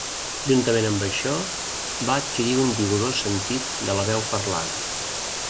Juntament amb això, va adquirir un vigorós sentit de la veu parlada.